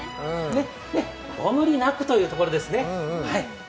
ご無理なくというところですね。